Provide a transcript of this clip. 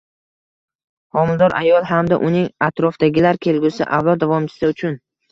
Homilador ayol hamda uning atrofidagilar kelgusi avlod davomchisi uchun